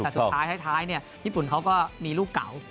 สุดท้ายเนี่ยญี่ปุ่นเขาก็มีลูกเก่า